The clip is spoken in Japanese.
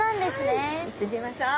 はい行ってみましょう。